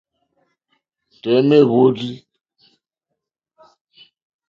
Tɔ̀ímá èhwórzí.